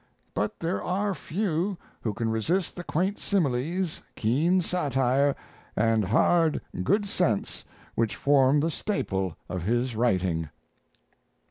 But there are few who can resist the quaint similes, keen satire, and hard, good sense which form the staple of his writing.